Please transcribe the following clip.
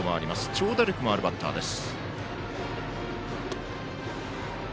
長打力のあるバッターです。